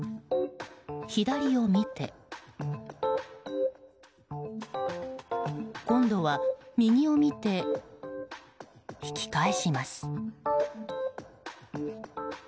左を見て、今度は右を見て引き返します。